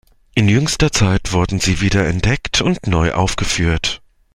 In jüngster Zeit wurden sie wiederentdeckt und neu aufgeführt.